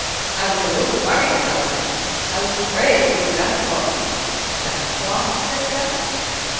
I was a little worried about it. I was afraid you were done for." "Done for?" said Grouch.